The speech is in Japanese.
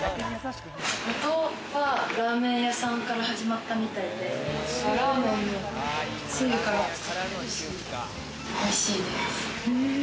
元はラーメン屋さんから始まったみたいで、ラーメンのつゆから作っていておいしいです。